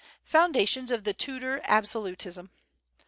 Foundations of the Tudor Absolutism.